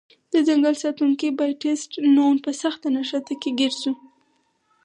د ځنګل ساتونکی بابټیست نون په سخته نښته کې ګیر شوی و.